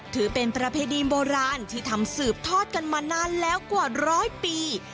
ถือเป็นประเพณีโบราณที่ทำสืบทอดกันมานานแล้วกว่าร้อยปี